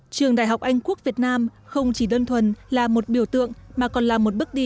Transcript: trường đại học anh quốc việt nam không chỉ đơn thuần là một biểu tượng mà còn là một bước đi